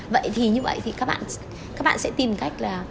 vậy thì như vậy thì các bạn sẽ tìm cách là